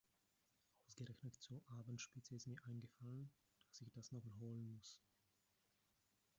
Ausgerechnet zur Abendspitze ist mir eingefallen, dass ich das noch holen muss.